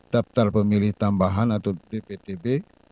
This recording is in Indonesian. daftar pemilih tambahan atau bptb